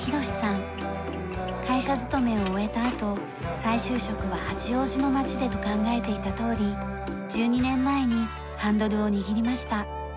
会社勤めを終えたあと再就職は八王子の街でと考えていたとおり１２年前にハンドルを握りました。